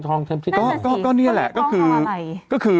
นั่นแน่นอนสิก็นี่แหละก็คือ